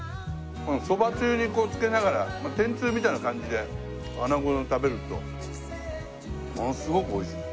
蕎麦つゆにこうつけながら天つゆみたいな感じで穴子食べるとものすごくおいしい。